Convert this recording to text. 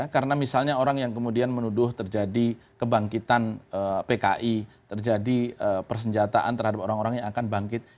karena misalnya orang yang kemudian menuduh terjadi kebangkitan pki terjadi persenjataan terhadap orang orang yang akan bangkit